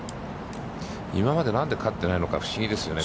今まで何で勝ってないのか、不思議ですよね。